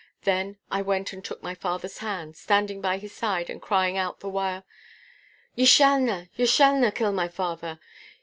Then I went and took my father's hand, standing by his side and crying out the while,— 'Ye shallna, ye shallna kill my father.